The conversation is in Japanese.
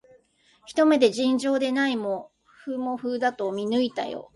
ひと目で、尋常でないもふもふだと見抜いたよ